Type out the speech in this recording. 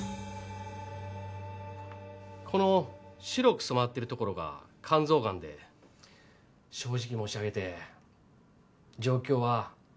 この白く染まってるところが肝臓がんで正直申し上げて状況はかなり厳しいと思います。